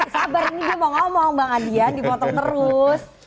sabar ini dia mau ngomong bang andian dipotong terus